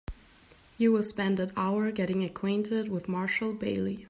You will spend that hour getting acquainted with Marshall Bailey.